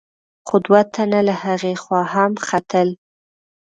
خو دوه تنه له هغې خوا هم ختل.